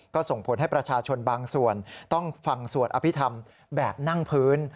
ก็ส่งผลให้ประชาชนบางส่วนต้องฟังสวดอภิษฐรรมแบบนั่งพื้น